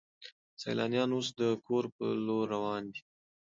سیلانیان اوس د کور په لور روان دي.